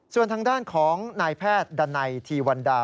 ส่วนทางด้านของนายแพทย์ดันไนทีวันดา